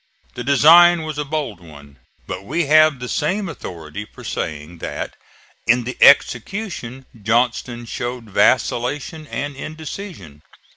The design was a bold one; but we have the same authority for saying that in the execution Johnston showed vacillation and indecision.